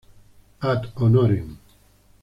Ad Honorem.